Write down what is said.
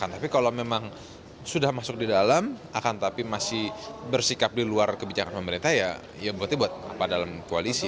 tapi kalau memang sudah masuk di dalam akan tapi masih bersikap di luar kebijakan pemerintah ya berarti buat apa dalam koalisi